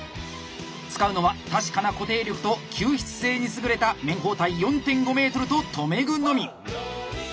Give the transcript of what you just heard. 使うのは確かな固定力と吸湿性に優れた綿包帯４．５ｍと留め具のみ。